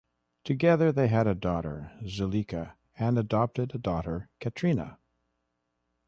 Together they had a daughter, Zuleika, and adopted a daughter, Katrina.